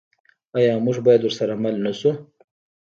آیا موږ باید ورسره مل نشو؟